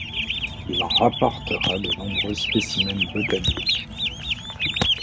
Il en rapporta de nombreux spécimens botaniques.